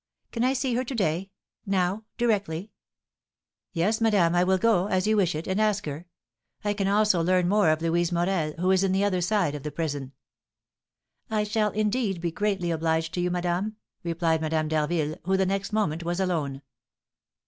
Can I see her to day? now directly?" "Yes, madame, I will go, as you wish it, and ask her; I can also learn more of Louise Morel, who is in the other side of the prison." "I shall, indeed, be greatly obliged to you, madame," replied Madame d'Harville, who the next moment was alone.